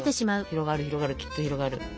広がる広がるきっと広がる。